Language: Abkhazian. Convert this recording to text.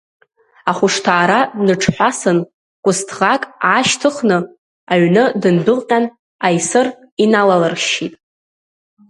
Ахәышҭаара дныҽҳәасын, кәысҭӷак аашьҭхны аҩны дындәылҟьан, аисыр иналалыршьшьит.